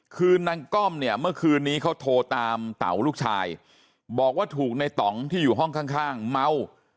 คือนางก้อมเนี่ยเมื่อคืนนี้เขาโทรตามเต๋าลูกชายบอกว่าถูกในต่องที่อยู่ห้องข้างเมา